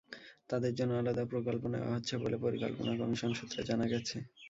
তাঁদের জন্য আলাদা প্রকল্প নেওয়া হচ্ছে বলে পরিকল্পনা কমিশন সূত্রে জানা গেছে।